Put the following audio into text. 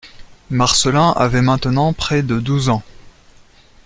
Marcelin avait maintenant près de douze ans.